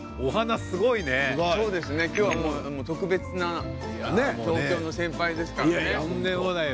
今日は特別な東京の先輩ですからね。